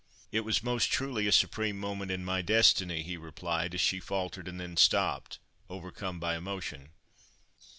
"It was most truly a supreme moment in my destiny," he replied, as she faltered and then stopped, overcome by emotion.